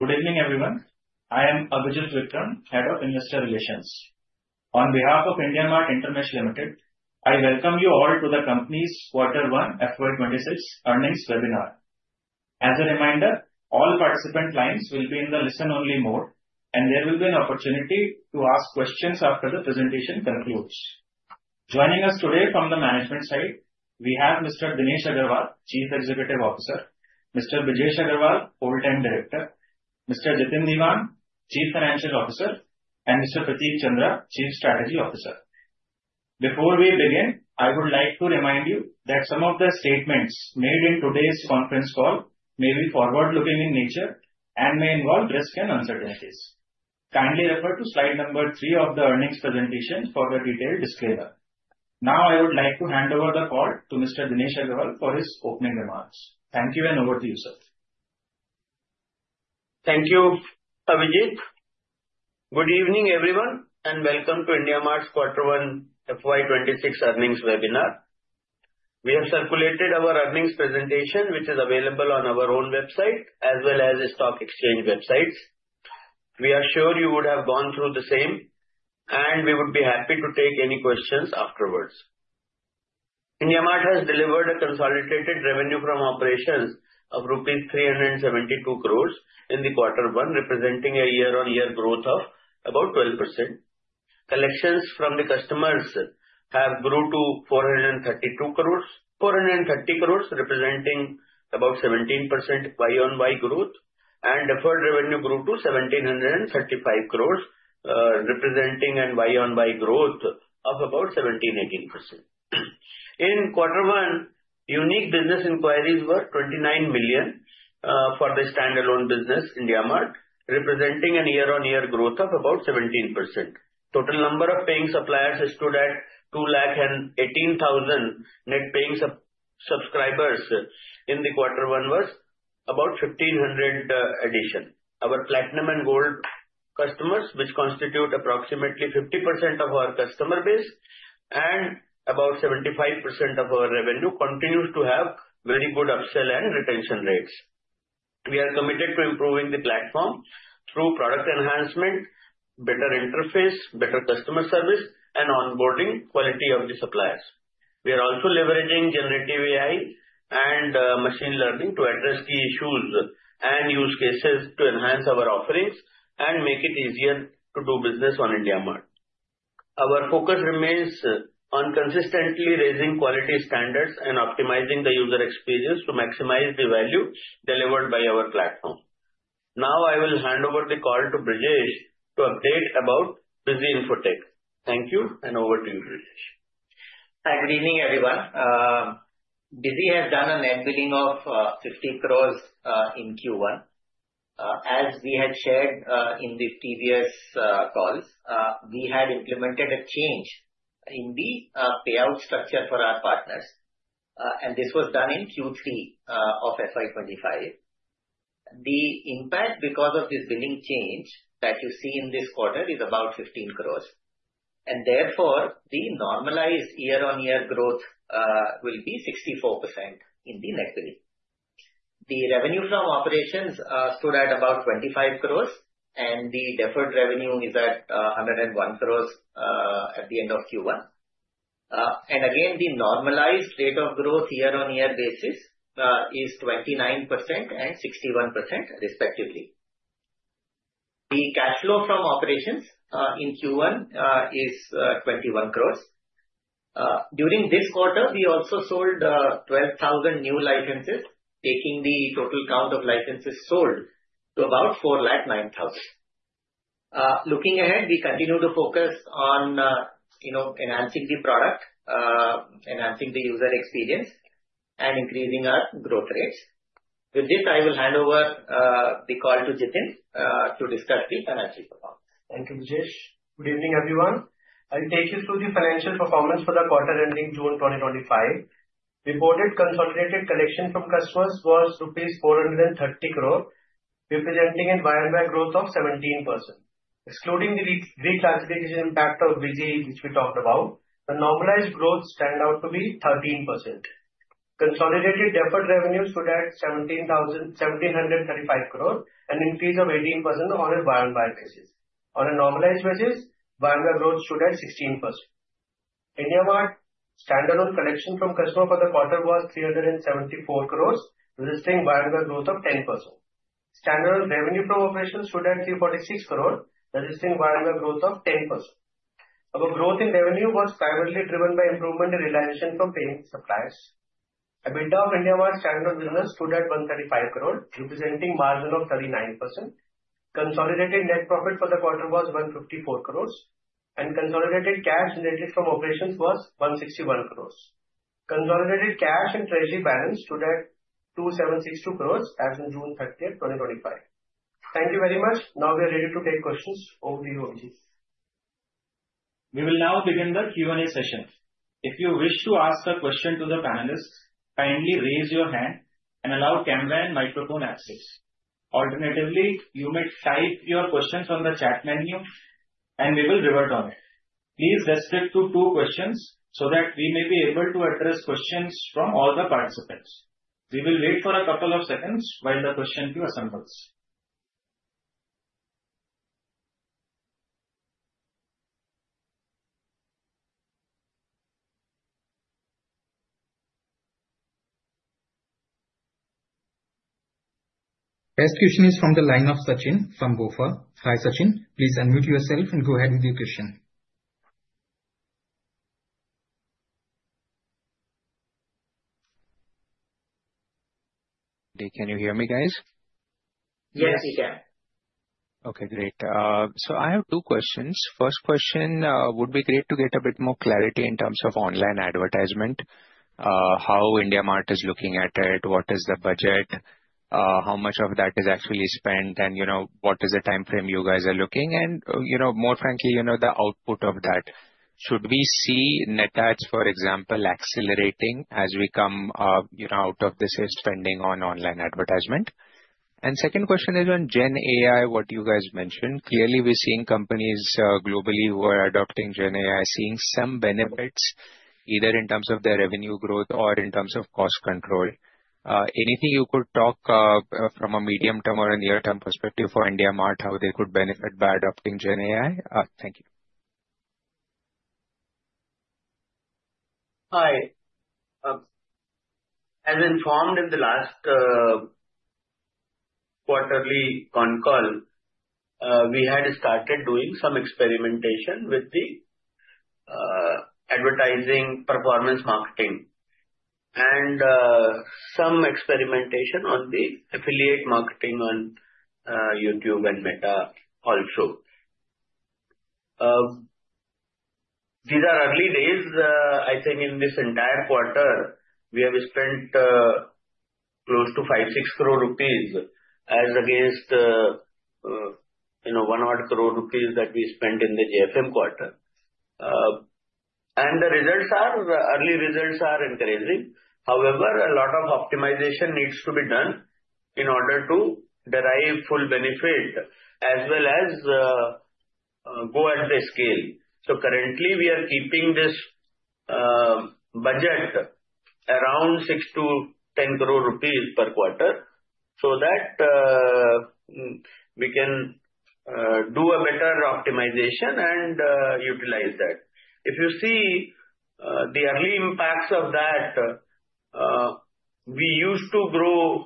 Good evening everyone. I am Avijit Vikram, Head of Investor Relations. On behalf of IndiaMART InterMESH Ltd. I welcome you all to the company's Quarter 1 FY 2026 Earnings Webinar. As a reminder, all participant lines will be in the listen only mode and there will be an opportunity to ask questions after the presentation concludes. Joining us today from the management side we have Mr. Dinesh Agarwal, Chief Executive Officer, Mr. Brijesh Agrawal, Full-Time Director, Mr. Jitin Diwan, Chief Financial Officer, and Mr. Prateek Chandra, Chief Strategy Officer. Before we begin, I would like to. Remind you that some of the statements made in today's conference call may be forward looking in nature and may involve risk and uncertainties. Kindly refer to slide number three of the earnings presentation for the detailed disclaimer. Now I would like to hand over. The call to Mr. Dinesh Agarwal for his opening remarks. Thank you. Over to you, sir. Thank you Avijit. Good evening everyone and welcome to IndiaMART Quarter 1 FY 2026 earnings webinar. We have circulated our earnings presentation, which is available on our own website as well as the stock exchange websites. We are sure you would have gone through the same and we would be happy to take any questions afterwards. IndiaMART has delivered a consolidated revenue from operations of rupees 372 crores in Quarter 1, representing a year-on-year growth of about 12%. Collections from the customers have grown to 430 crores, representing about 17% YoY growth, and deferred revenue grew to 1,735 crores, representing a YoY growth of about 17%-18% in Quarter 1. Unique business inquiries were 29 million for the standalone business IndiaMART, representing a year-on-year growth of about 17%. Total number of paying suppliers stood at 218,000. Net paying subscribers in Quarter 1 was about 1,500 addition. Our Platinum and Gold customers, which constitute approximately 50% of our customer base and about 75% of our revenue, continue to have very good upsell and retention rates. We are committed to improving the platform through product enhancement, better interface, better customer service, and onboarding quality energy suppliers. We are also leveraging generative AI and machine learning to address key issues and use cases to enhance our offerings and make it easier to do business on IndiaMART. Our focus remains on consistently raising quality standards and optimizing the user experience to maximize the value delivered by our platform. Now I will hand over the call to Brijesh. Complaint about Busy Infotech. Thank you. And over to you. Hi, good evening everyone. Busy has done a collection of 50 crore in Q1. As we had shared in the previous calls, we had implemented a change in the payout structure for our partners and this was done in Q3 of FY 2025. The impact because of this billing change that you see in this quarter is about 15 crore, and therefore the normalized year-on-year growth will be 64% in the next year. The revenue from operations stood at about 25 crore and the deferred revenue is at 101 crore at the end of Q1. Again, the normalized rate of growth on a year-on-year basis is 29% and 61% respectively. The cash flow from operations in Q1 is 21 crore. During this quarter, we also sold 12,000 new licenses, taking the total count of licenses sold to about 409,000. Looking ahead, we continue to focus on. Enhancing the product, enhancing the user experience, and increasing our growth rates. With this, I will hand over the. Call to Jitin to discuss the financial performance. Thank you, Jesh. Good evening, everyone. I'll take you through the financial performance for the quarter ending June 2025. Reported consolidated collection from customers was rupees 430 crore, representing a year-on-year growth of 17%. Excluding the declassification impact of VG, which. We talked about the normalized growth stand out to be 13%. Consolidated deferred revenue stood at 1,735 crore, an increase of 18%. On a YoY basis. On a normalized basis, bargain growth stood at 16%. In your standalone collection from customers for the quarter was 374 crore, listing YoY growth of 10%. Standalone revenue from operations stood at 346 crore, recording YoY growth of 10%. Our growth in revenue was primarily driven. By improvement in realization for payment solutions. A bit of IndiaMART business stood at 135 crore, representing margin of 39%. Consolidated net profit for the quarter was 154 crore and consolidated cash generated from. Operations was 161 crore. Consolidated cash and treasury balance stood at. 2,762 crores as in June 30, 2025. Thank you very much. Now we are ready to take questions over to you. We will now begin the Q and A sessions. If you wish to ask a question to the panelists, kindly raise your hand and allow Canvan microphone access. Alternatively, you may type your questions on. The chat menu and we will revert on it. Please restrict to two questions so that we may be able to address questions from all the participants. We will wait for a couple of minutes. Seconds while the question queue assembles. Next question is from the line of Sachin from BofA. Hi Sachin, please unmute yourself and go ahead with your question. Can you hear me guys? Yes you can. Okay, great. I have two questions. First question would be great to get a bit more clarity in terms of online advertisement, how IndiaMART is looking at it, what is the budget, how much of that is actually spent, and what is the time frame you guys are looking, and more frankly, the output of that. Should we see net ads, for example, accelerating as we come out of this spending on online advertisement? Second question is on Gen AI, what you guys mentioned. Clearly we're seeing companies globally who are adopting Gen AI seeing some benefits either in terms of their revenue growth or in terms of cost control. Anything you could talk from a medium term or a near term perspective for IndiaMART, how they could benefit by adopting Gen AI? Thank you. Hi. As informed in the last quarterly concur, we had started doing some experimentation with the advertising performance marketing and some experimentation on the affiliate marketing on YouTube and Meta also. These are early days. I think in this entire quarter we have spent close to 5 crore-6 crore rupees and against, you know, one odd crore that we spent in the JFM quarter and the results are early. Results are increasing. However, a lot of optimization needs to be done in order to derive full benefit as well as go at the scale. Currently, we are keeping this budget around 6 crore-10 crore rupees per quarter so that we can do a better optimization and utilize that. If you see the early impacts of that, we used to grow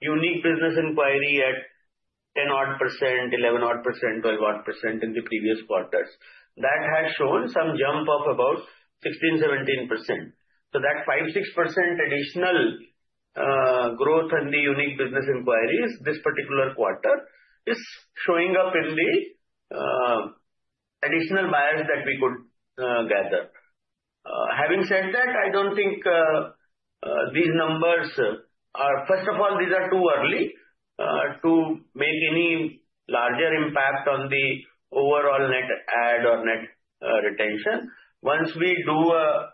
unique business inquiry at 10% odd, 11% odd, 12% odd in the previous quarters. That has shown some jump of about 16%, 17% so that 5%, 6% additional growth in the unique business inquiries this particular quarter is showing up in the additional bias that we could gather. Having said that, I don't think these numbers are, first of all, these are too early to make any larger impact on the overall net add or net retention. Once we do a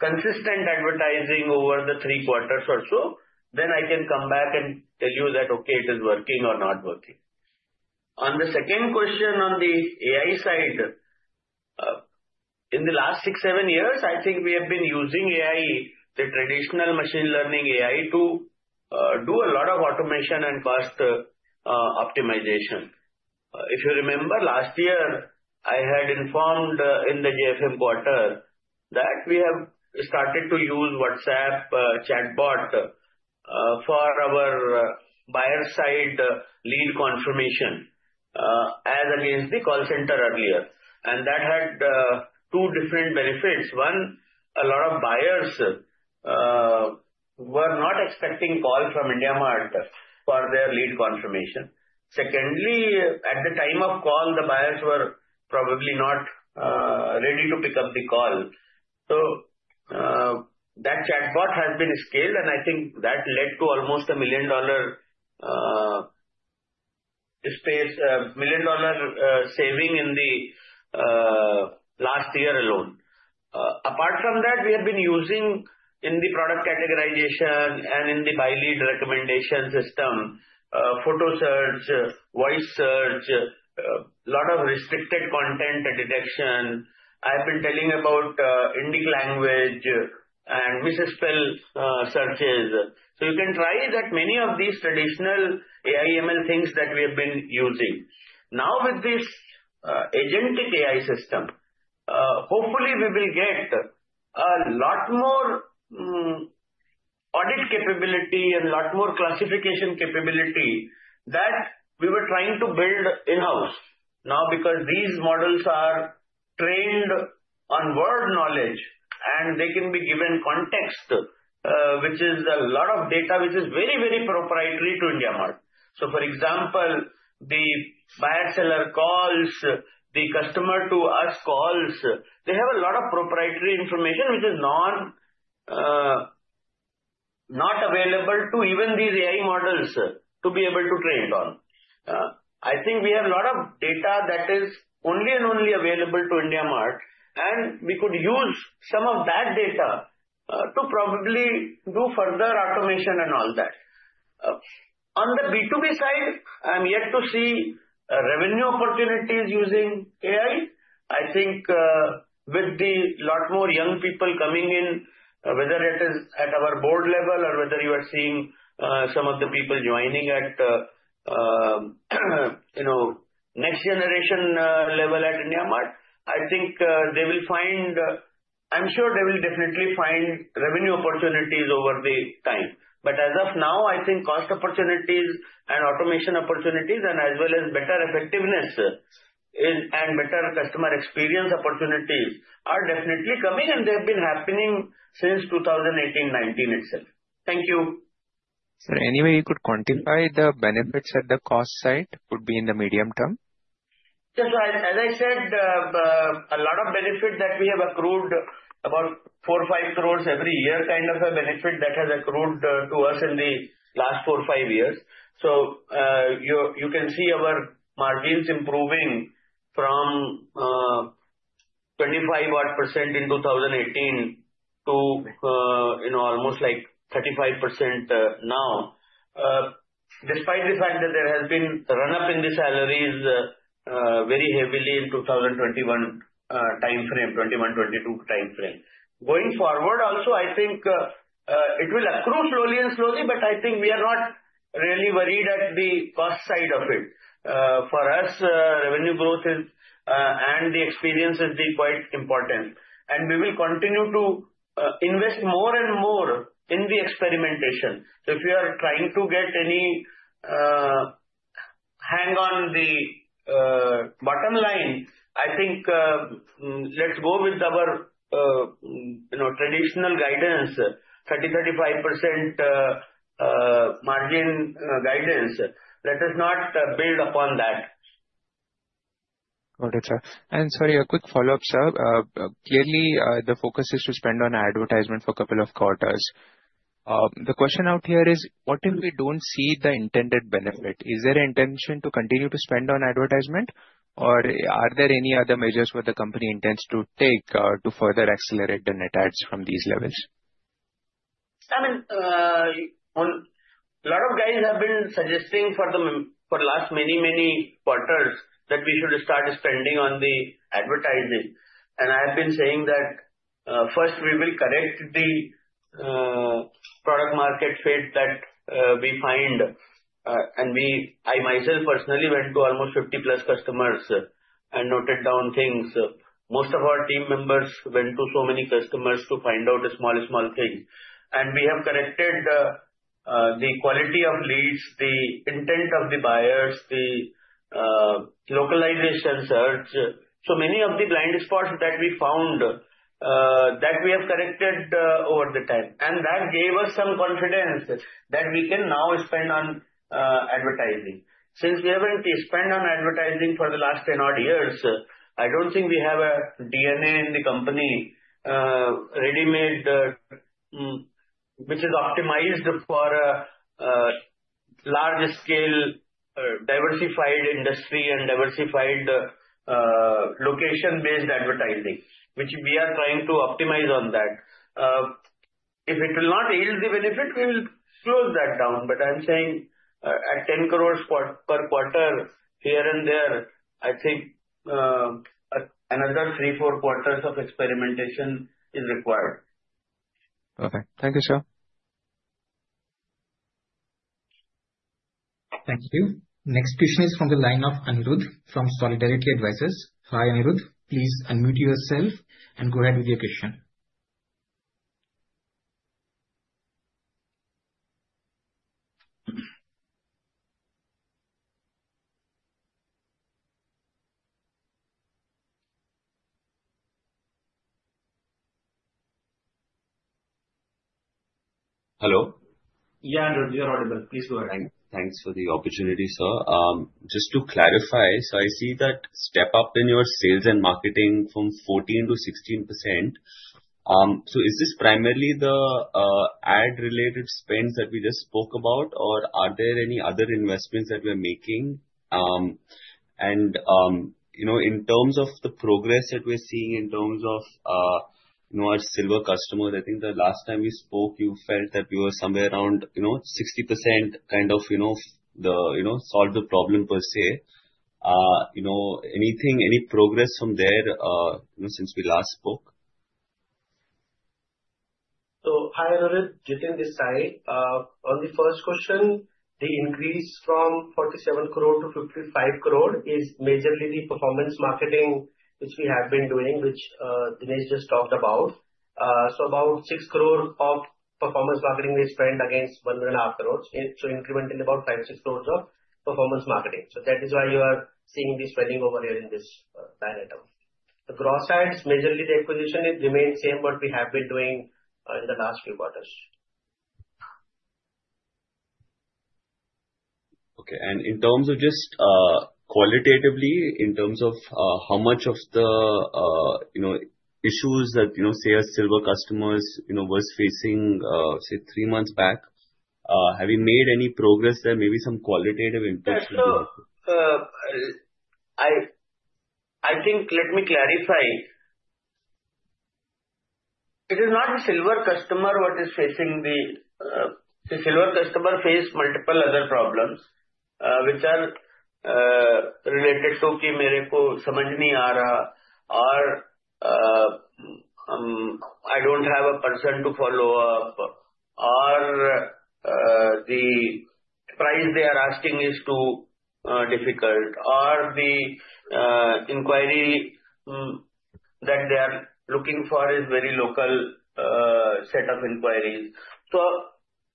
consistent advertising over the three or four quarters or so, then I can come back and tell you that, okay, it is working or not working. On the second question on the AI side, in the last six, seven years I think we have been using AI, the traditional machine learning AI to do a lot of automation and cost optimization. If you remember last year I had informed in the JFM quarter that we have started to use WhatsApp chatbot for our buyer side lead confirmation as against the call center earlier and that had two different benefits. One, a lot of buyers were not expecting call from IndiaMART for their lead confirmation. Secondly, at the time of call, the buyers were probably not ready to pick up the call. That chatbot had been scaled and I think that led to almost a $1 million saving in the last year alone. Apart from that, we have been using in the product categorization and in the by lead recommendation system, photo search, voice search, lot of restricted content detection. I have been telling about Indic language and visa spell searches. You can try that. Many of these traditional AI ML things that we have been using, now with this agentic AI system, hopefully we will get a lot more audit capability and a lot more classification capability that we were trying to build in house. Now because these models are trained on word knowledge and they can be given context, which is a lot of data that is very, very proprietary to IndiaMART. For example, the buyer-seller calls, the customer-to-us calls, they have a lot of proprietary information which is not available to even these AI models to be able to train it on. I think we have a lot of data that is only and only available to IndiaMART, and we could use some of that data to probably do further automation and all that on the B2B side. I'm yet to see revenue opportunities using AI. I think with a lot more young people coming in, whether it is at our board level or whether you are seeing some of the people joining at, you know, next generation level at IndiaMART, I think they will find, I'm sure they will definitely find revenue opportunities over time. As of now, I think cost opportunities and automation opportunities, as well as better effectiveness in and better customer experience opportunities, are definitely coming and they've been happening since 2018-2019 itself. Thank you. Anyway, you could quantify the benefits at the cost side would be in. The medium term? as I said, a lot of benefits that we have accrued, about 4 or 5 crore every year, kind of a benefit that has accrued to us in the last four, five years. You can see our margins improving from 25% in 2018 to almost like 35% now. Despite the fact that there has been a run up in the salaries very heavily in the 2021 time frame, 2021-2022 time frame, going forward also I think it will accrue slowly and slowly, but I think we are not really worried at the first side of it. For us, revenue growth is and the experiences be quite important, and we will continue to invest more and more in the experimentation. If you are trying to get any hang on the bottom line, I think let's go with our traditional guidance, 30%-35% margin guidance. Let us not build upon that. Sorry, a quick follow up, sir. Clearly, the focus is to spend on advertisement for a couple of quarters. The question out here is what if we don't see the intended benefit? Is there intention to continue to spend on advertisement, or are there any other measures where the company intends to take to further accelerate the net ads from these levels? A lot of guys have been suggesting for them for last many, many quarters that we should start spending on the advertising. I have been saying that first we will correct the product-market fit that we find. I myself personally went to almost 50+ customers and noted down things. Most of our team members went to so many customers to find out a small, small thing, and we have corrected the quality of leads, the intent of the buyers, the localization search. Many of the blind spots that we found, we have corrected over time, and that gave us some confidence that we can now spend on advertising. Since we haven't spent on advertising for the last 10 odd years, I don't think we have a DNA in the company ready-made which is optimized for large-scale diversified industry and diversified location-based advertising, which we are trying to optimize on that. If it will not yield the benefit, we will slow that down. I am saying at 10 crore per quarter here and there, I think another three, four quarters of experimentation is required. Okay, thank you sir. Thank you. Next question is from the line of Anirudh from Solidarity Advisors. Hi Anirudh, please unmute yourself and go ahead with your question. Hello. Yeah, Anirudh, you're audible. Please go ahead. Thanks for the opportunity sir, just to clarify, I see that step up in your sales and marketing from 14% to 16%. Is this primarily the ad related spends that we just spoke about or are there any other investments that we are making? In terms of the progress that we're seeing in terms of our silver customers, I think the last time we spoke you felt that we were somewhere around 60% kind of, you know, solve the problem per se. Any progress from there since we last spoke? You can decide on the first question. The increase from 47 crore to 55 crore is majorly the performance marketing which we had been doing, which Dinesh just talked about. About 6 crore of performance marketing is trend against 1.5 crore. Incrementally about 5 crore-6 crore of performance marketing. That is why you are seeing this spending over here in this diatom. The gross ads, majorly the acquisition, remains same what we have been doing in. The past few quarters. Okay. In terms of just qualitatively, in terms of how much of the, you know, issues that, you know, say as silver customers, you know, were facing, say, three months back, have you made any progress there? Maybe some qualitative impacts? I think. Let me clarify. It is not the silver customer who is facing the silver customer face multiple other problems which are related or I don't have a person to follow up or the price they are asking is too difficult or the inquiry that they are looking for is very local set of inquiries.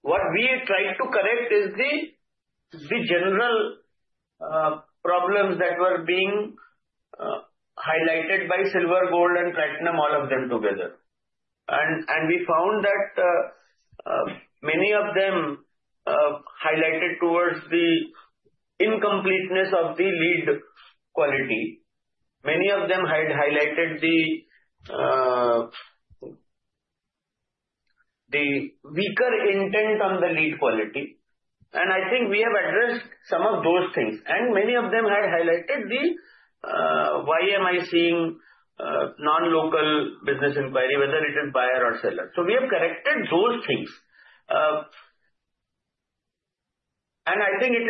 What we tried to correct is the general problems that were being highlighted by silver, gold, and platinum, all of them together. We found that many of them highlighted towards the incompleteness of the lead quality. Many of them had highlighted the. The. Weaker intent on the lead quality. I think we have addressed some of those things and many of them had highlighted the why am I seeing non-local business inquiry, whether it is buyer or seller. We are correct in those things and I think it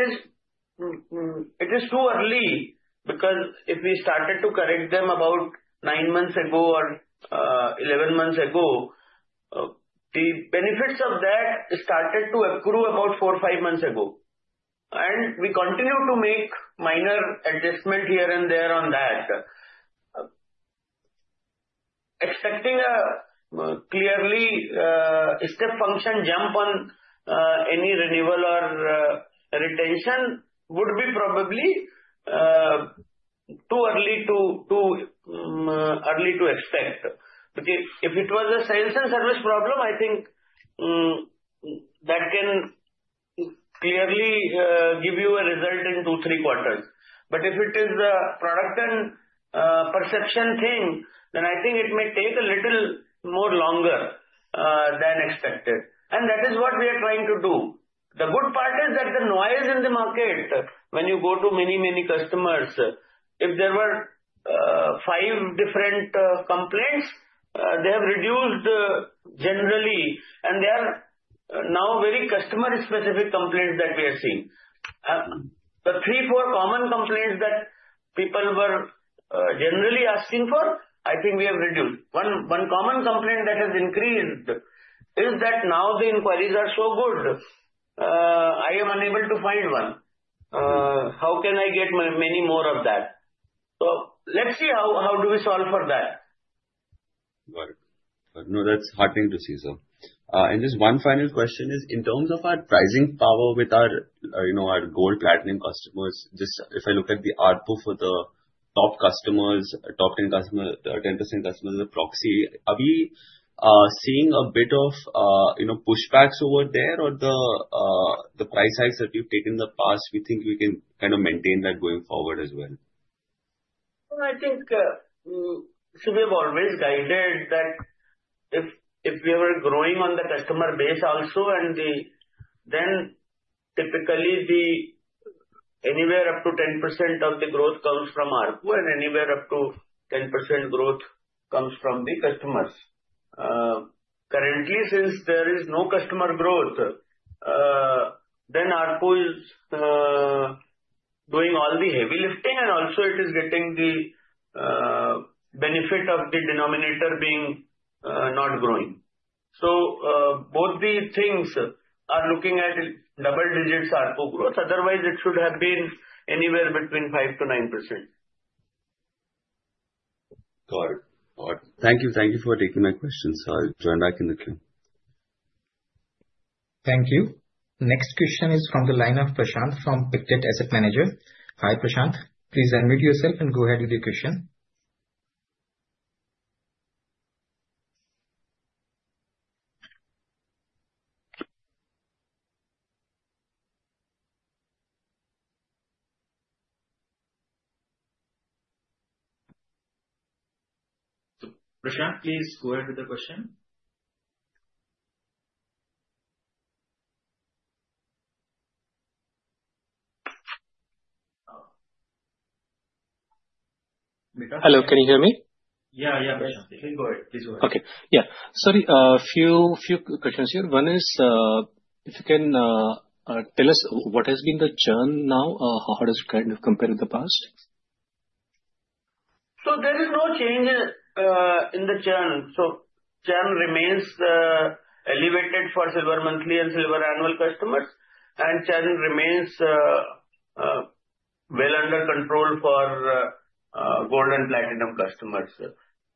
is too early because if we started to correct them about nine months ago or eleven months ago, the benefits of that started to accrue about four or five months ago. We continue to make minor adjustment here and there on that. Expecting a clearly step function jump on any renewal or retention would be probably too early to expect. If it was a science and service problem, I think that can clearly give you a result in two or three quarters. If it is the product and perception thing, then I think it may take a little more longer than expected. That is what we are trying to do. The good part is that the noise in the market, when you go to many, many customers, if there were five different complaints, they have reduced generally and they are now very customer-specific complaints that we are seeing. The three or four common complaints that people were generally asking for, I think we have reduced one. One common complaint that has increased is that now the inquiries are so good I am unable to find one. How can I get many more of that? Let's see how do we solve for that? That's heartening to see. Just one final question is in terms of our pricing power with our gold, platinum customers. If I look at the ARPU for the top customers, top 10% customers as a proxy, are we seeing a bit of pushbacks over there or the price hikes that we've taken in the past? We think we can kind of maintain that going forward as well. I think so. We've always guided that if we were growing on the customer base also, then typically anywhere up to 10% of the growth comes from ARPU and anywhere up to 10% growth comes from the customers. Currently, since there is no customer growth, then ARPU is doing all the heavy lifting and also it is getting the benefit of the denominator being not growing. Both the things are looking at double digits. Otherwise, it should have been anywhere between 5%-9%. Got it. All right, thank you. Thank you for taking my questions. I'll join back in the cloud. Thank you. Next question is from the line of Prashant from Pictet Asset Manager. Hi Prashant, please unmute yourself and go ahead with your question. Prakash, please go ahead with the question. Hello, can you hear me? Yeah, yeah. Okay. Sorry. A few questions here. One is if you can tell us what has been the churn now. How does it kind of compare with the past? There is no change in the churn. Churn remains elevated for silver monthly and silver annual customers, and churn remains well under control for gold and platinum customers.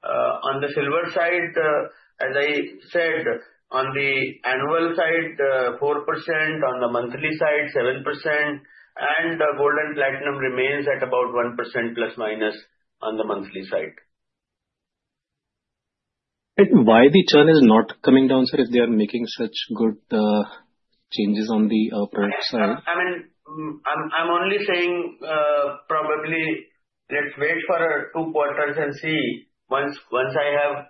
On the silver side, as I said, on the annual side 4%, on the monthly side 7%, and gold and platinum remains at about 1%± on the monthly side. Why the churn is not coming down? If they are making such good changes on the price? I mean, I'm. Probably let's wait for two quarters and see once I have.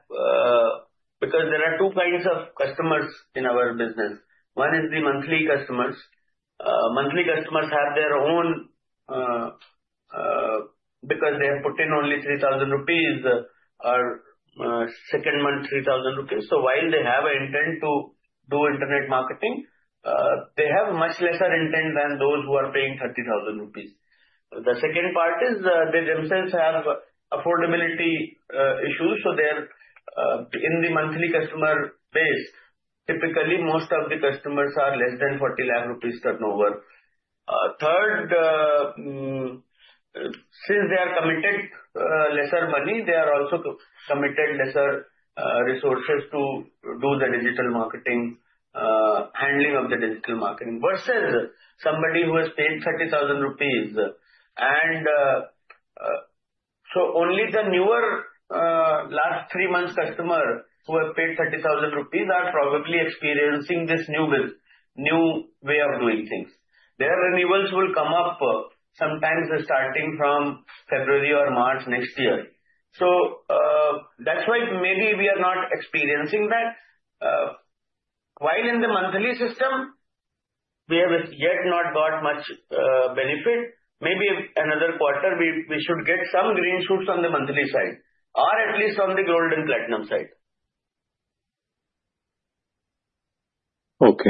There are two kinds of customers in our business. One is the monthly customers. Monthly customers have their own because they have put in only 3,000 rupees or second month, 3,000 rupees. While they have an intent to do Internet marketing, they have much lesser intent than those who are paying 30,000 rupees. The second part is they themselves have affordability issues. In the monthly customer base, typically most of the customers are less than 4 million rupees turnover. Since they are committed lesser money, they are also submitted lesser resources to do the digital marketing handling of the digital marketing versus somebody who has paid 30,000 rupees. Only the newer last three months customer who have paid 30,000 rupees are probably experiencing this new bills, new way of doing things. Their renewals will come up sometimes starting from February or March next year. That's why maybe we are not experiencing that while in the monthly system we have as yet not got much benefit. Maybe another quarter, we should get some green shoots on the monthly side or at least on the gold and platinum side. Okay,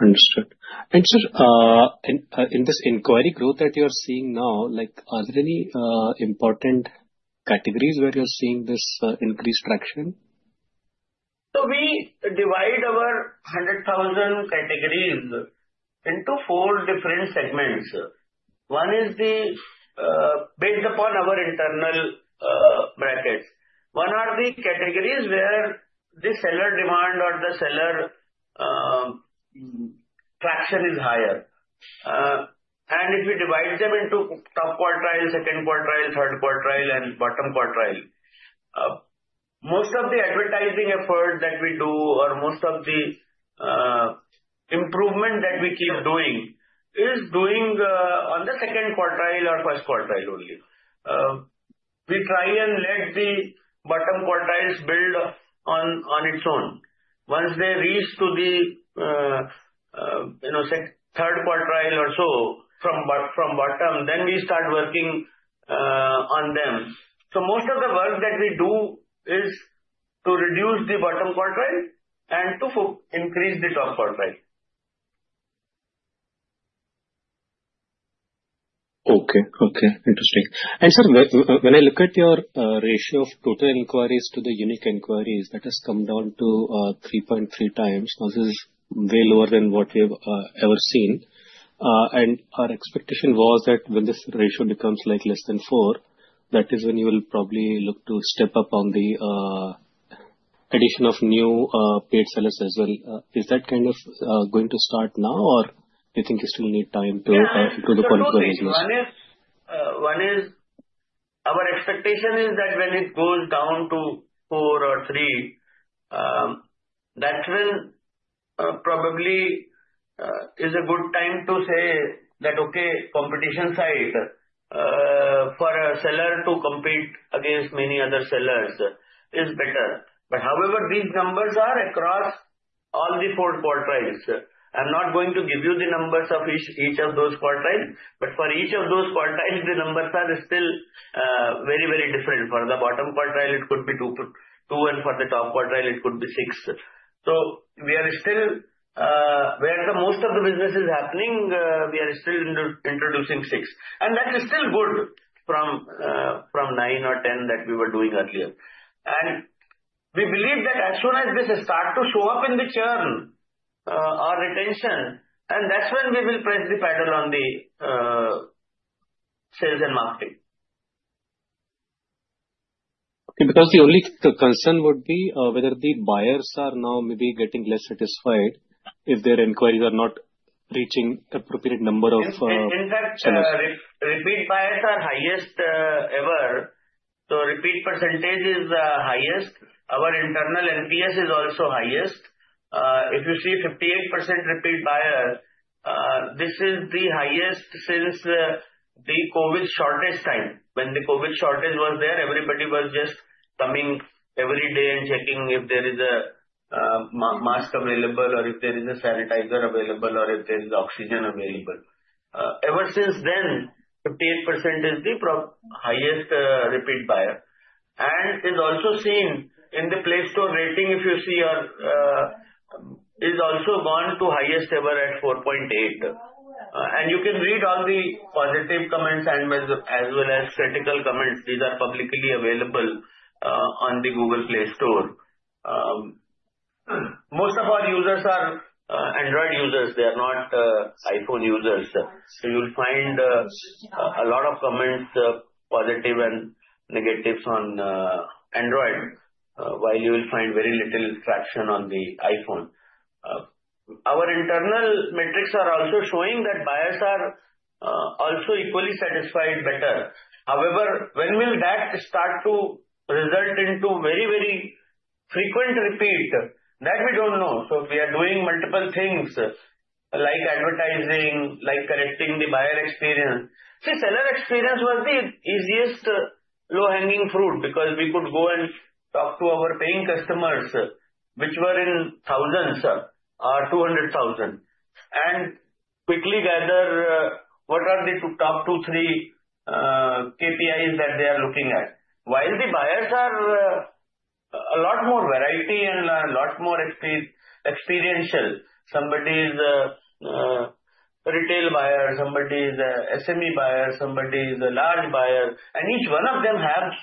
understood. In this inquiry growth that you are seeing now, are there any important categories where you're seeing this increased traction? We divide over 100,000 categories into four different segments. One is, based upon our internal brackets, the categories where the seller demand or the seller traction is higher. If we divide them into top quartile, second quartile, third quartile, and bottom quartile, most of the advertising effort that we do or most of the improvement that we keep doing is on the second quartile or first quartile. We try and let the bottom quartiles build on their own. Once they reach the third quartile or so from the bottom, then we start working on them. Most of the work that we do is to reduce the bottom quartile and to increase the top quartile. Okay, interesting. When I look at your ratio of total inquiries to the unique inquiries, that has come down to 3.3x now. This is way lower than what we've ever seen. Our expectation was that when this ratio becomes less than 4x, that is when you will probably look to step up on the addition of new paid sellers as well. Is that kind of going to start now or do you think you still? Need time to one is our expectation is that when it goes down to four or three, that's when probably is a good time to say that, okay, competition side for a seller to compete against many other sellers is better. However, these numbers are across all the four quartiles. I'm not going to give you the numbers of each, each of those quartiles, but for each of those quartiles, the numbers are still very, very different. For the bottom quartile it could be 2, and for the top quartile it could be 6. We are still where most of the business is happening. We are still introducing 6 and that is still good from 9 or 10 that we were doing earlier. We believe that as soon as this starts to show up in the churn, our retention, and that's when we will price the pattern on the sales and marketing. Okay. Because the only concern would be whether the buyers are now maybe getting less satisfied if their inquiries are not reaching. Appropriate number of repeat buyers are highest ever, so repeat percentage is the highest. Our internal NPS is also highest. If you see 58% repeat buyer, this is the highest since the COVID shortage time. When the COVID shortage was there, everybody were just coming every day and checking if there is a mask available or if there is a sanitizer available or if there is oxygen available. Ever since then, 58% is the highest repeat buyer and is also seen in the Play Store rating. If you see, it has also gone to highest ever at 4.8, and you can read all the positive comments as well as critical comments. These are publicly available on the Google Play Store. Most of our users are Android users, they are not iPhone users. You will find a lot of comments, positive and negatives, on Android, while you will find very little traction on the iPhone. Our internal metrics are also showing that buyers are also equally satisfied better. However, when will that start to result into very very frequent repeat? That we don't know. We are doing multiple things like advertising, like connecting the buyer experience. Seller experience was the easiest low hanging fruit because we could go and talk to our paying customers, which were in thousands or 200,000, and quickly gather what are the top two three KPIs that they are looking at. While the buyers are a lot more variety and a lot more experiential, somebody is retail buyer, somebody the SME buyer, somebody is a large buyer, and each one of them have a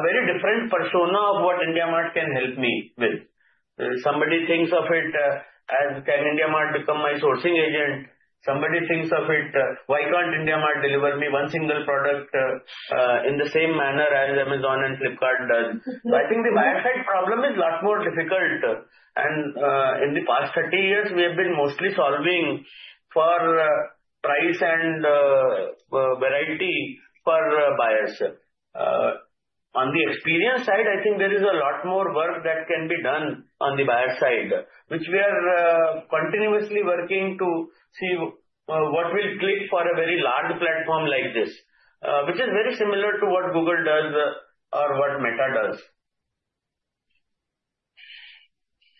very different persona of what IndiaMART can help me with. Somebody thinks of it as, can IndiaMART become my sourcing agent? Somebody thinks of it, why can't IndiaMART deliver me one single product in the same manner as Amazon and Flipkart does. I think the buyer side problem is a lot more difficult, and in the past 30 years we have been mostly solving for price and variety for buyers. On the experience side, I think there is a lot more work that can be done on the buyer side, which we are continuously working to see what will click for a very large platform like this, which is very similar to what Google does or what Meta does.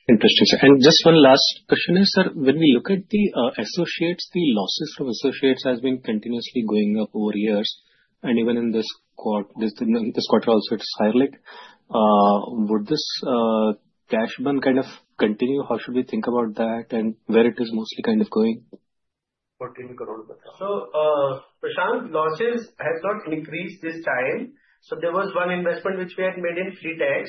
Interesting. Just one last question is that when we look at the associates, the losses of associates have been continuously going up over years and even in this quarter. Also, it's highlight would this cash burn kind of continue? How should we think about that and where it is mostly kind of going? Prashant, losses have not increased this time. There was one investment which we had made in Fleetx,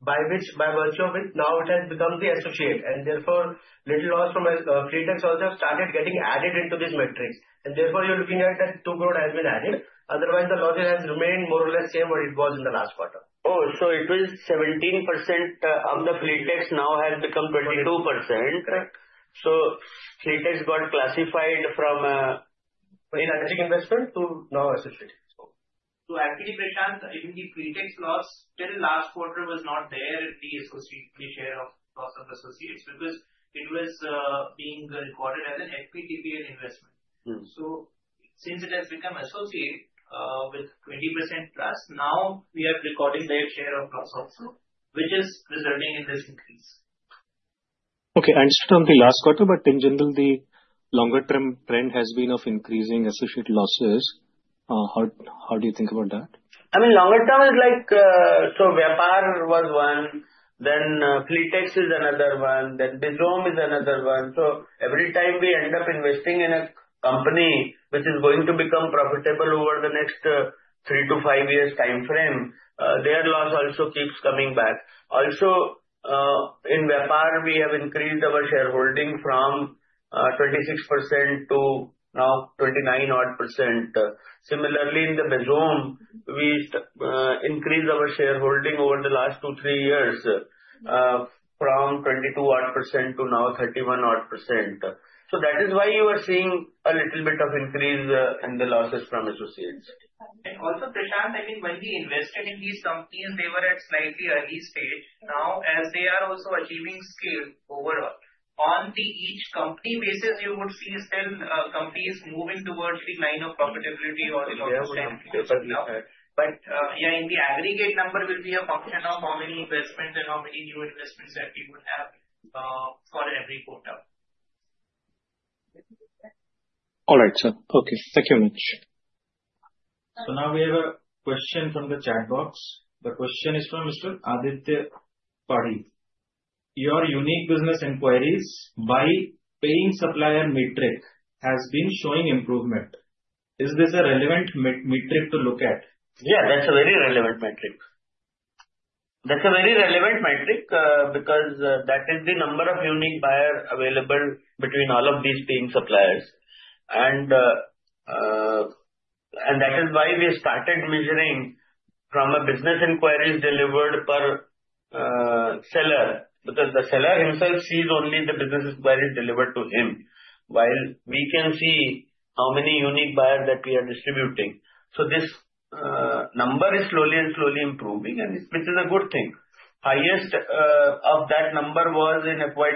by virtue of it now it has become the associate and therefore little loss from Fleetx also have started getting added into this metric. Therefore, you're looking at that 2% growth has been added. Otherwise, the logic has remained more or less same what it was in the last quarter. It was 17% of the Fleetx, now has become 22%, correct. So Fleetx got classified from inaccurate investment to now association. I think the pretext loss till. Last quarter was not there in the. Share of associates because invest being recorded as an FVTPL investment. Since it has become associate with 20%+ now we are recording their share of loss also, which is presenting it has increased. Okay, I understand the last quarter. In general, the longer term trend. Has been of increasing associate losses. How. How do you think about that? I mean longer term is like, Vyapar was one, then Fleetex is another one, then Bizom is another one. Every time we end up investing in a company which is going to become profitable over the next three to five years time frame, their loss also keeps coming back. Also, in Mehbar we have increased our shareholding from 26% to now 29% odd. Similarly, in the Bezoma we increased our shareholding over the last two, three years from 22% to now 31% odd. That is why you are seeing a little bit of increase in the losses from associates. Also, Prashant, I mean when we. Invested in these companies they were at slightly early stage. Now as they are also achieving scale overall on the each company basis, you would see 10 companies moving towards decline of profitability. Yeah, in the aggregate number, there will be a buffer. Now how many investments and how many new investments that we would have for every portal. All right, sir. Okay, thank you much. Now we have a question from the chat box. The question is from Mr. Aditya Padhi. Your unique business inquiries by paying supplier metric has been showing improvement. Is this a relevant metric to look at? Yeah, that's a very relevant metric. That's a very relevant metric because that is the number of unique buyers available between all of these being suppliers. That is why we started measuring from a business inquiries delivered per seller, because the seller himself sees only the business inquiry delivered to him while we can see how many unique buyers that we are distributing. This number is slowly and slowly improving, which is a good thing. The highest of that number was in FY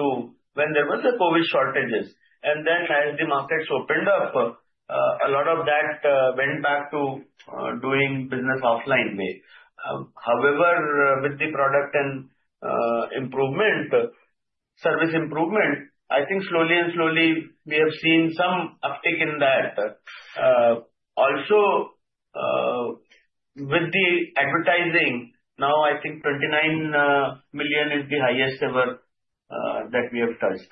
2021-2022 when there was a COVID shortage. As the markets opened up, a lot of that went back to doing business the offline way. However, with the product and service improvement, I think slowly and slowly we have seen some uptick in that. Also, with the advertising, now I think 29 million is the highest ever that we have touched.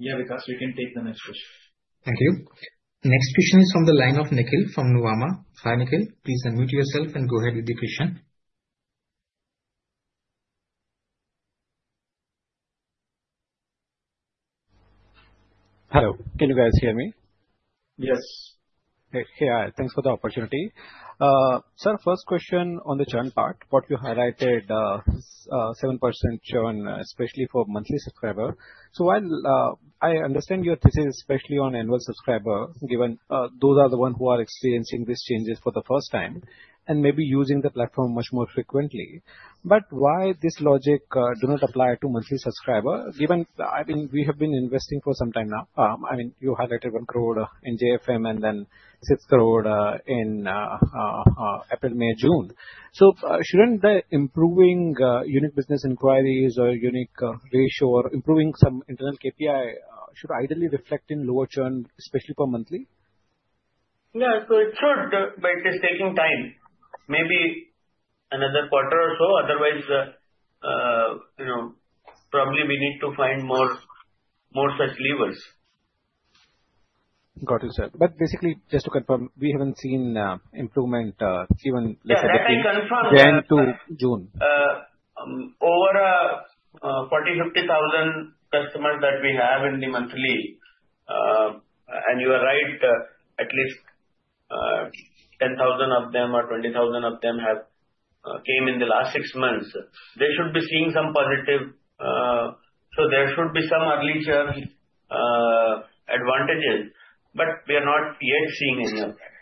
Yeah, because we can take the next question. Thank you. Next question is from the line of Nikhil from Nuvama. Hi, Nikhil, please unmute yourself and go ahead with the question. Hello, can you guys hear me? Yes, thanks for the opportunity. Sir, first question on the churn part. What you highlighted 7% churn especially for monthly subscriber. While I understand especially on annual subscriber given those are the ones who are experiencing these changes for the first time and maybe using the platform much more frequently. Why does this logic not apply to monthly subscribers even? I mean we have been investing for some time now. You highlighted 1 crore in JFM and then 6 crore in April, May, June. Shouldn't the improving unique business inquiries or unique ratio or improving some internal KPI ideally reflect in lower churn especially per monthly? Yeah, so it's not, but it is taking time, maybe another quarter or so. Otherwise, you know, probably we need to find more such levers. Got you, sir. Just to confirm, we haven't seen improvement even then to June over. 40,000-50,000 customers that we have in the monthly, and you are right, at least 10,000 of them or 20,000 of them have come in the last six months. They should be seeing some positive. There should be some early share advantages, but we are not yet seeing any of that.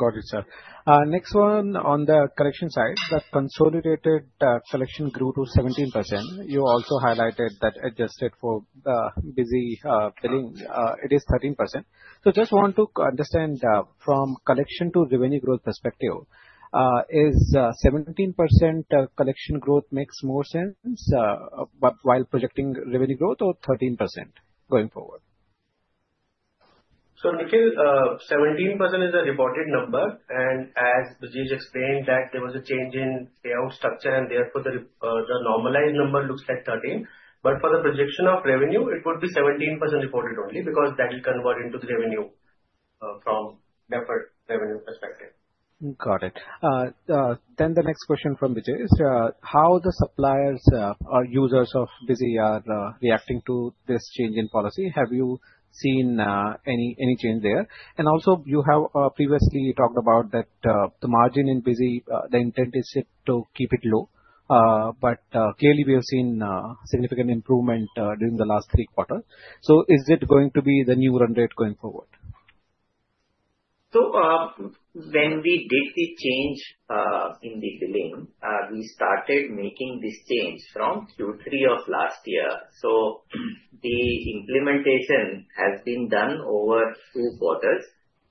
Got it sir. Next one on the correction side, the consolidated collection grew to 17%. You also highlighted that adjusted for the Busy billing it is 13%. Just want to understand from collection to revenue growth perspective, is 17% collection growth makes more sense while projecting revenue growth or 13% going forward. Nikhil, 17% is a reported number. As Brijesh explained, there was a change in payout structure, and therefore the. The normalized number looks like 13%, but for the projection of revenue it would be 17% reported only because that will convert into the revenue from deferred revenue perspective. Got it. The next question for Brijesh is how the suppliers or users of Busy are reacting to this change in policy? Have you seen any change there? You have previously talked about that the margin in Busy, the intent is to keep it low. Clearly, we have seen significant improvement during the last three quarters. Is it going to be the. New run rate going forward? When we did the change in the billing, we started making this change from Q3 of last year. The implementation has been done over two quarters,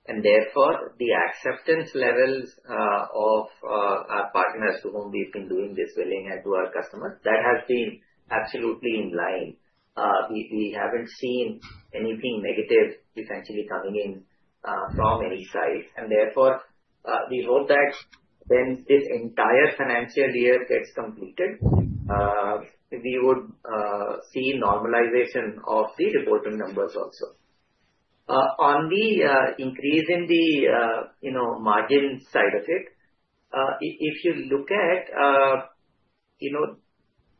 and therefore the acceptance levels of our partners to whom we've been doing this drilling and to our customers, that has been absolutely in line. We haven't seen anything negative essentially coming in from any side. Therefore, we hope that when this entire financial year gets completed, we would see normalization of the reporting numbers. Also, on the increase in the margin side of it, if you look at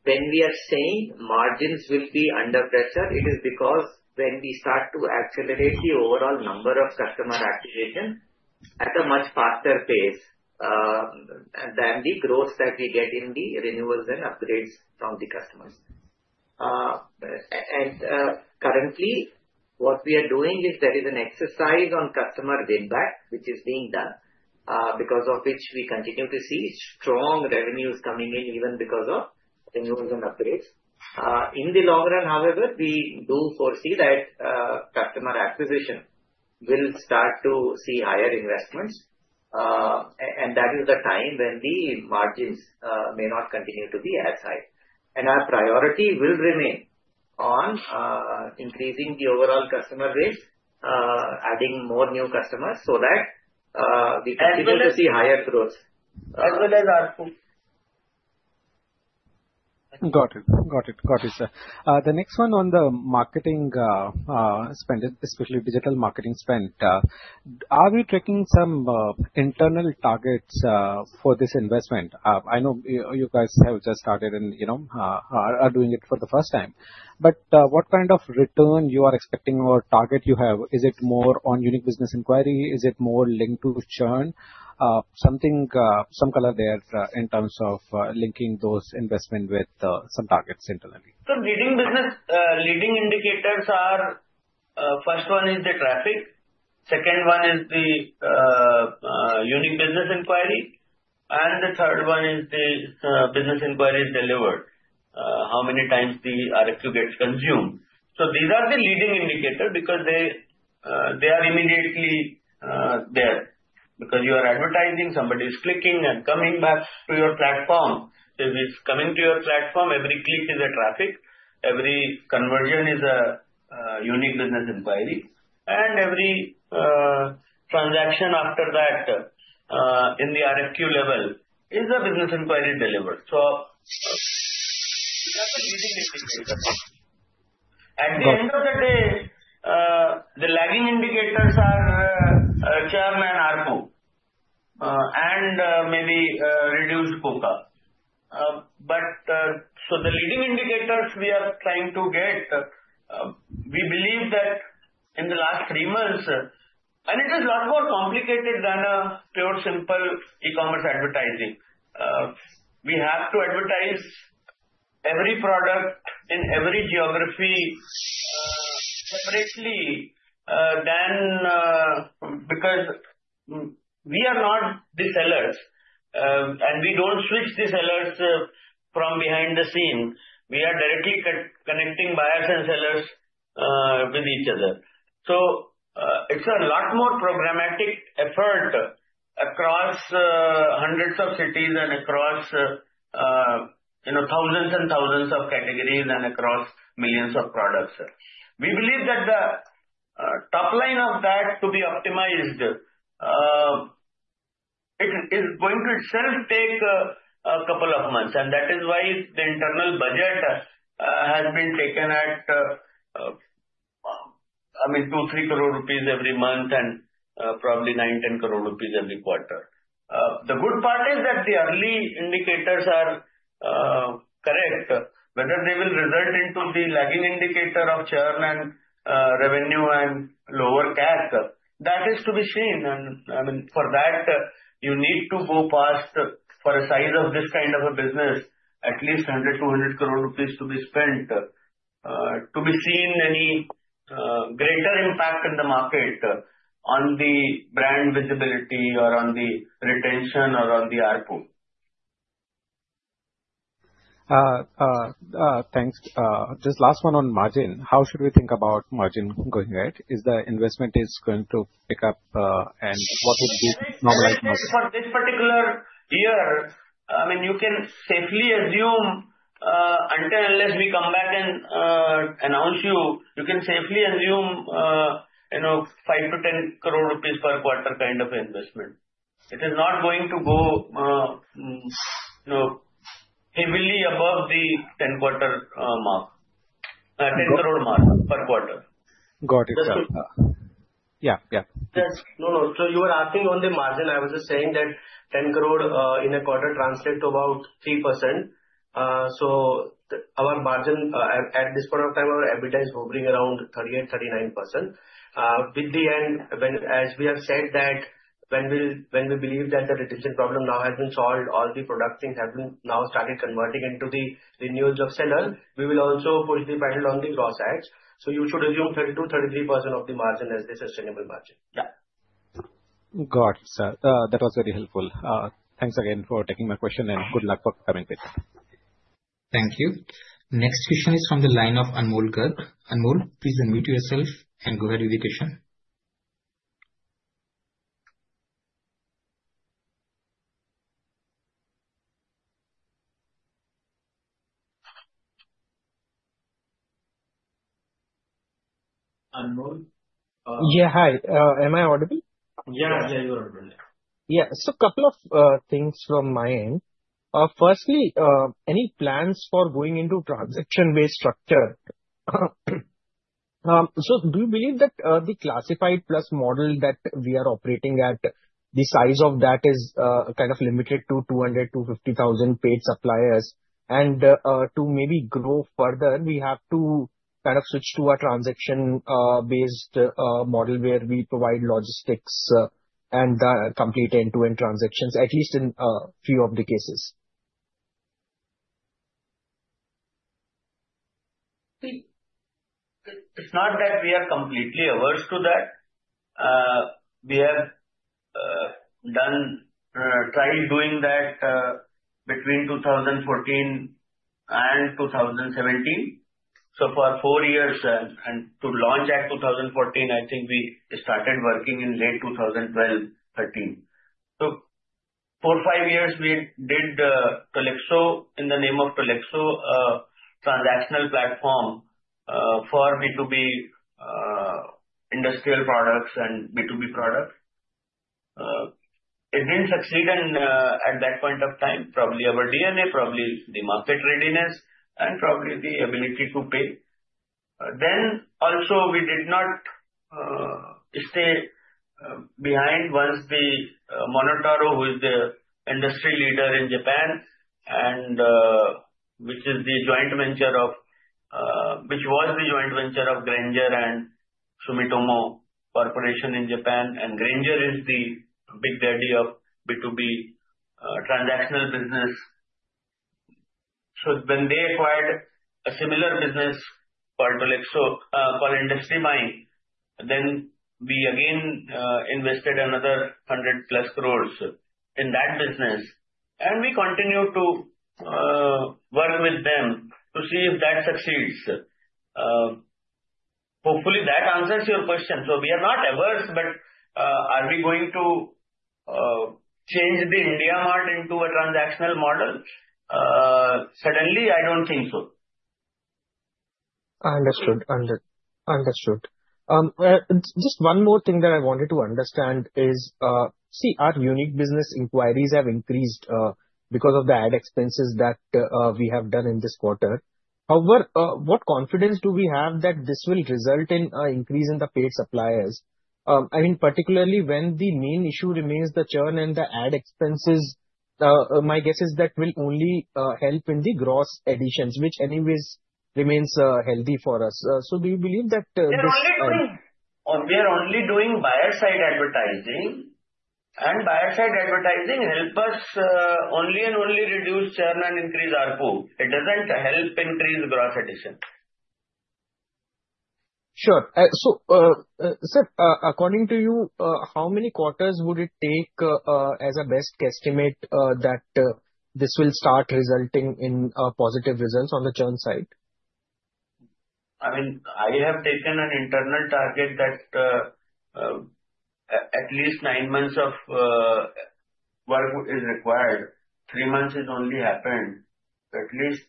when we are saying margins will be under pressure, it is because when we start to accelerate the overall number of customer acquisitions at a much faster pace than the growth that we get in the renewals and upgrades from the customers. Currently, what we are doing is there is an exercise on customer winback which is being done because of which we continue to see strong revenues coming in, even because of renewals and upgrades. In the long run, however, we do. Foresee that customer acquisition will start to see higher investments, and that is the time when the margins may not continue to be as high. Our priority will remain on increasing. The overall customer base, adding more new customers so that we can be able. To see higher growth as well as ARPU. Got it, got it, got it, sir. The next one on the marketing spend, especially digital marketing spend, are we tracking some internal targets for this investment? I know you guys have just started and you know are doing it for the first time. What kind of return you are expecting or target you have, is it more on unique business inquiry? Is it more linked to churn, something, some color there in terms of linking those investments with some targets internally? The leading business indicators are, first one is the traffic, second one is the unique business inquiry, and the third one is the business inquiry delivered, how many times the RFQ gets consumed. These are the leading indicators because they are immediately there; you are advertising, somebody is clicking and coming back to your platform. If it's coming to your platform, every click is a traffic, every conversion is a unique business inquiry, and every transaction after that in the RFQ level is the business inquiry delivered. Internally, the lagging indicators are many reduced, but the leading indicators we are trying to get. We believe that in the last three months, it is not more complicated than a pure simple e-commerce advertising. We have to advertise every product in every geography separately because we are not the sellers, and we don't switch the sellers from behind the scene. We are directly connecting buyers and sellers with each other. It's a lot more programmatic effort across hundreds of cities and across thousands and thousands of categories and across millions of products. We believe that the top line of that to be optimized. It is going. To itself take a couple of months, and that is why the internal budget has been taken at, I mean, 2 crore, 3 crore rupees every month and probably 9 crore, 10 crore rupees every quarter. The good part is that the early indicators are correct, whether they will result into the lagging indicator of churn and revenue and lower cash, that is to be seen. For that, you need to go past, for a size of this kind of a business, at least 100 crore rupees, INR 200 crore to be spent to be seen any greater impact in the market on the brand visibility or on the retention or on the ARPU. Thanks. Just last one on margin, how should we think about margin going ahead, is the investment going to pick up? What would be normalized for this particular year? You can safely assume until unless we come back and announce to you, you can safely assume, you know, 5-10 crore rupees per quarter kind of investment. It is not going to go heavily above the 10 crore mark per quarter itself. Yeah, that's. No, you were asking on the margin. I was just saying that 10 crore. In a quarter translate to about 3%. Our margin at this point of. Our EBITDA is hovering around 38%, 39% with the end when as we. When we, when we. Believe that the retention problem now has been solved. All the product things have been now started converting into the renewals of seller. We will also fully dependent. On the cross acts. You should assume 30%-33% of the margin as the sustainable margin. Yeah, got it sir, that was very helpful. Thanks again for taking my question. Good luck for coming together. Thank you. Next question is from the line of Anmol Garg. Anmol, please unmute yourself and go ahead with the question. Yeah, hi, am I audible? Yeah, yeah, you're audible. Yeah. Couple of things from my end. Firstly, any plans for going into transaction-based structure? Do you believe that the classified-plus model that we are operating at the size of that is kind of limited to 200,000-250,000 paid suppliers, and to maybe grow further we have to kind of switch to a transaction-based model where we provide logistics and complete end-to-end transactions at least in few of the cases. See, it's not that we are completely averse to that. We have done trial doing that between 2014 and 2017, so for four years, and to launch at 2014, I think we started working in January 2012-2013, so four, five years we did Tolexo in the name of Tolexo transactional platform for B2B industrial products and B2B products. It didn't succeed, and at that point of time, probably our DNA, probably the market readiness, and probably the ability to pay then also, we did not stay behind. There was Monotaro, who is the industry leader in Japan, and which is the joint venture of Grainger and Sumitomo Corporation in Japan. Grainger is the big daddy of B2B transactional business. When they acquired a similar business for industry, then we again invested another 100+ crore in that business, and we continue to work with them to see if that succeeds. Hopefully, that answers your question. We are not averse, but are we going to change the IndiaMART into a transactional model suddenly? I don't think so. Understood. Just one more thing that I wanted to understand is, see, our unique business inquiries have increased because of the ad expenses that we have done in this quarter. However, what confidence do we have that this will result in increase in the paid suppliers? I mean, particularly when the main issue remains the churn and the ad expenses. My guess is that will only help in the gross additions, which anyways remains healthy for us. Do you believe that we are? Only doing buyer side advertising, and buyer side advertising help us only and only reduce churn and increase ARPU. It doesn't help increase gross addition. Sure. Sir, according to you, how many quarters would it take as a best estimate that this will start resulting in positive results on the churn side? I mean I have taken an internal target that at least nine months of work is required. Three months has only happened, at least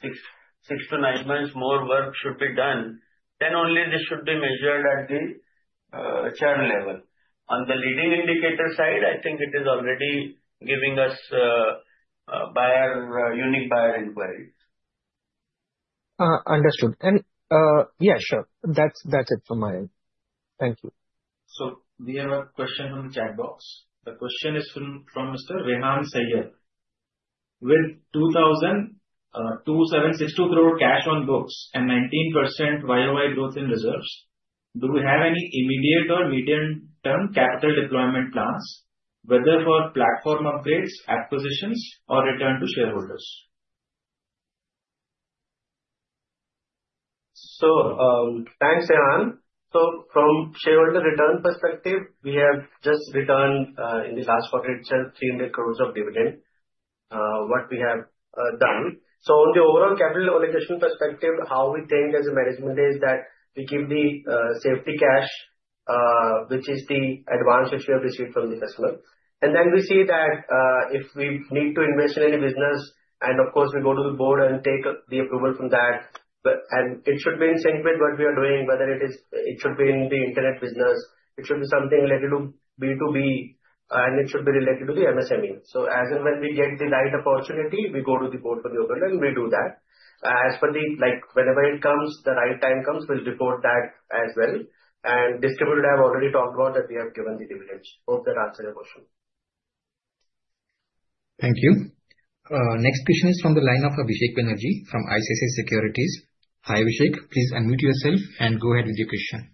six, six to nine months more work should be done. Then only this should be measured at the channel level. On the leading indicator side, I think it is already giving us buyer unique buyer inquiry. Understood and yeah sure. That's it for my end. Thank you. We have a question from chat box. The question is from Mr. Rehan Saiyyed. With 2,762 crore to throw cash on books and 19% YoY growth in reserves, do we have any immediate or medium-term capital deployment plans, whether for platform upgrades, acquisitions, or return to shareholders? Thanks, Saiyyed. From shareholder return perspective we have. Just returned in the last quarter itself 300 crore of dividend. What we have done so on the overall capital organization perspective, how we think as a management is. That we give the safety cash, which is the advance which we have received from the customer, and then we see. If we need to invest in. Any business, of course, we go. To the board and take the approval from that, and it should be in sync with what we are doing. Whether it is, it should be in the Internet business, it should be something. Related to B2B and it should be related to the MSME. As and when we get denied opportunity, we go to the port for the open and we do that as for the like whenever it comes the right time comes, we'll report that as well. And distributed. I've already talked about that. We have given the dividends. Hope that answers your question. Thank you. Next question is from the line of AbhisekBanerjee from ICICI Securities. Hi Abhisek. Please unmute yourself and go ahead with your question.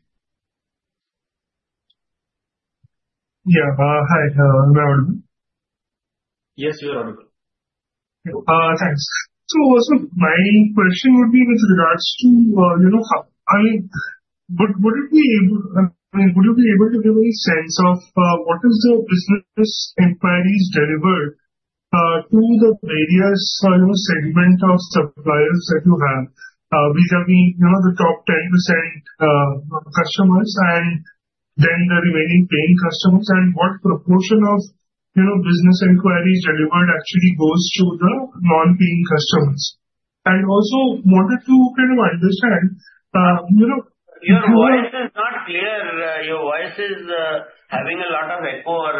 Yeah. Yes, you're on. Thanks. My question would be with regards to, you know, I wouldn't be able. Would you be able to give. A sense of what is the business inquiries delivered to the various segment of suppliers that you have vis-a-vis, you know, the top 10% customers and then the remaining paying customers and what proportion of, you know, business inquiry delivered actually goes to the non-paying customers? Also wanted to kind of understand. You know, it is not clear. Your voice is having a lot of echo or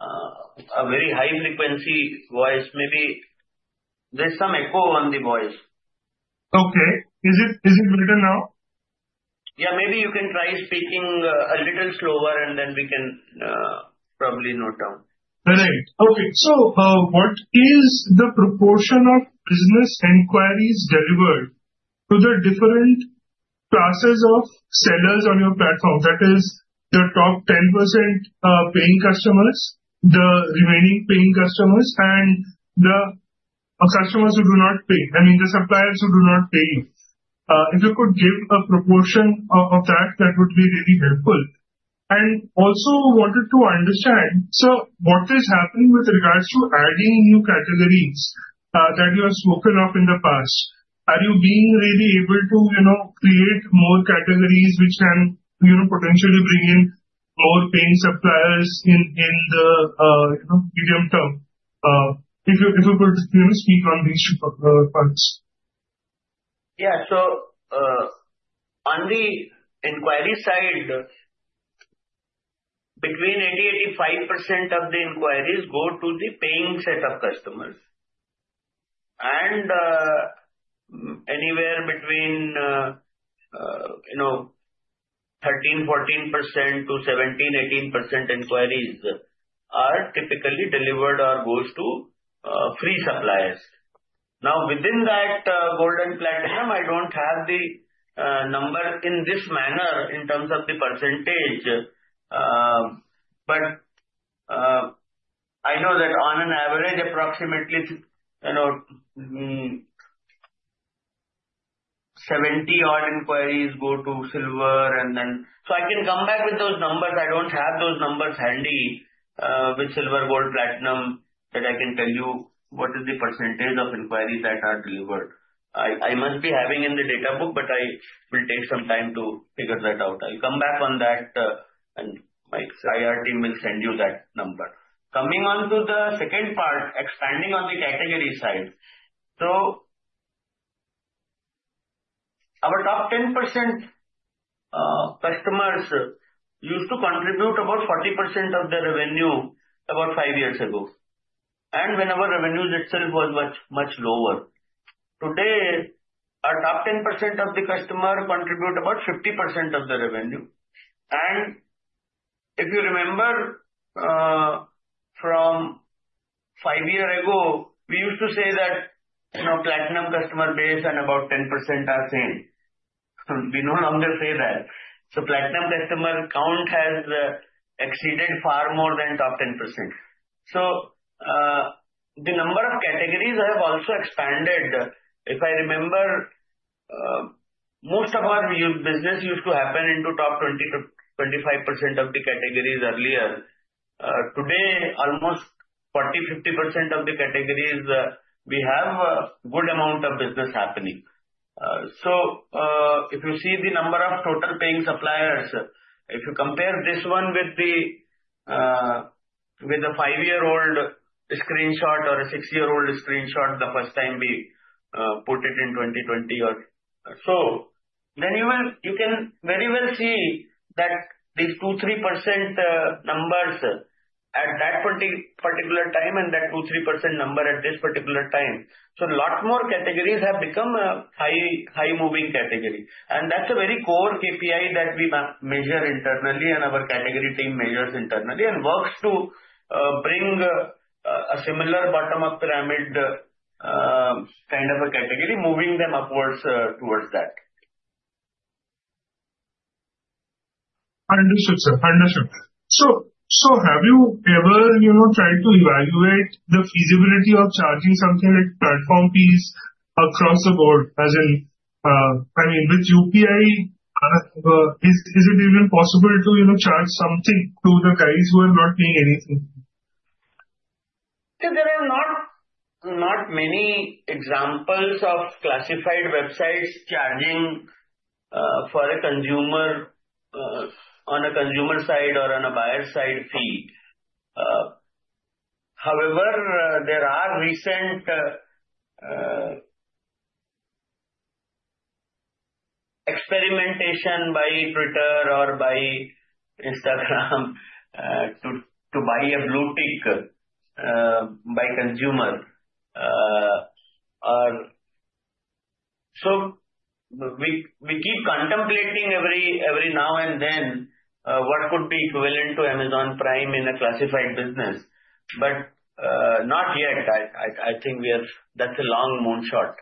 a very high frequency voice. Maybe there's some echo on the voice. Okay, is it written now? Yeah, maybe you can try speaking a little slower, and then we can probably note down. Okay, what is the proportion of business enquiries delivered to the different classes of sellers on your platform? That is, the top 10% paying customers, the remaining paying customers, and the customers who do not pay. I mean the suppliers who do not pay. If you could give a proportion of that, that would be really helpful. Also, wanted to understand what is happening with regards to adding new categories that you have spoken of in the past. Are you really able to create more categories which can potentially bring in our paying suppliers in the medium term? If you could speak on the issue of funds. Yeah. On the inquiry side, between 80%-85% of the inquiries go to the paying set of customers, and anywhere between 13%-14% to 17%-18% inquiries are typically delivered or go to free suppliers. Within that gold and platinum, I don't have the number in this manner in terms of the percentage. But. I know that on an average, approximately 70 odd inquiries go to silver and then I can come back with those numbers. I don't have those numbers handy with silver, gold, platinum that I can tell you what is the percentage of inquiries that are delivered. I must be having in the data book, but I will take some time to figure that out. I'll come back on that and my IR team will send you that number. Coming on to the second part, expanding on the category side. So. Our top 10% customers used to contribute about 40% of the revenue about five years ago, and whenever revenues itself was much, much lower. Today, about 10% of the customers contribute about 50% of the revenue. If you remember from five years ago, we used to say that platinum customer base and about 10% are same. We no longer say that. Platinum customer count has exceeded far more than top 10%. The number of categories has also expanded. If I remember, most of our business used to happen in top 20%-25% of the categories. Earlier today, almost 40%-50% of the categories, we have a good amount of business happening. If you see the number of total paying suppliers, if you compare this one with a five-year-old screenshot or a six-year-old screenshot, the first time we put it in 2020 or so, then you can very well see that these 2%-3% numbers at that particular time and that 2%-3% number at this particular time. A lot more categories have become a high, high moving category, and that's a very core KPI that we measure internally, and our category team measures internally and works to bring a similar bottom-up pyramid kind of a category, moving them upwards towards that. Understood, sir, understood. Have you ever, you know, tried to evaluate the feasibility of charging something like platform fees across the board? As in, I mean with UPI, is it even possible to, you know, charge something to the carriers who are not paying anything? There are not many examples of classified websites charging for a consumer on a consumer side or on a buyer side fee. However, there are recent experimentations by Twitter or by Instagram to buy a blue ticket by consumer or so we keep contemplating every now and then what could be equivalent to Amazon Prime in a classified business. Not yet. I think we have. That's a long moonshot.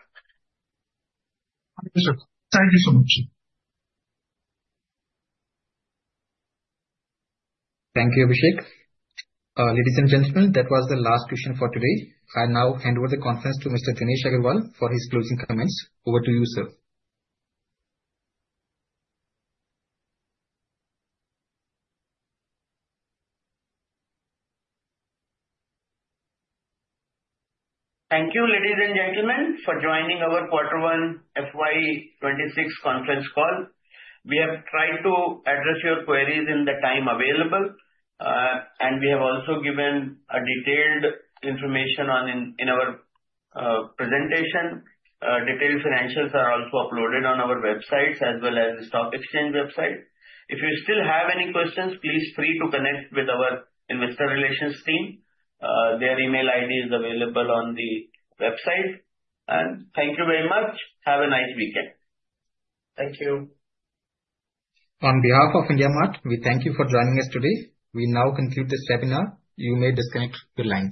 Thank you so much. Thank you Abhisek. Ladies and gentlemen, that was the last question for today. I now hand over the conference to Mr. Dinesh Agarwal for his closing comments. Over to you sir. Thank you, ladies and gentlemen, for joining our quarter one FY 2026 conference call. We have tried to address your queries in the time available, and we have also given detailed information in our presentation. Detailed financials are also uploaded on our website as well as the stock exchange website. If you still have any questions, please feel free to connect with our Investor Relations team. Their email ID is available on the website, and thank you very much. Have a nice weekend. Thank you. On behalf of IndiaMART, we thank you for joining us today. We now conclude this webinar. You may disconnect the line.